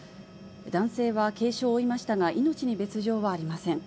男性は軽傷を負いましたが、命に別状はありません。